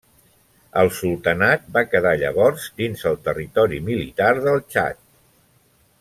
El sultanat va quedar llavors dins el territori militar del Txad.